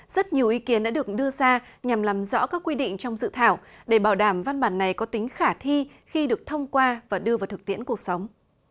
rất nhiều ý kiến đã được đưa ra nhằm làm rõ các quy định trong dự thảo để bảo đảm văn bản này có tính khả thi khi được thông qua và đưa vào thực tiễn cuộc sống